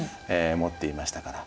持っていましたから。